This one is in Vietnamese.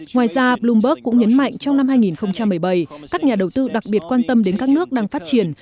ngoài ra bloomberg cũng nhấn mạnh trong năm hai nghìn một mươi bảy các nhà đầu tư đặc biệt quan tâm đến các nước đang phát triển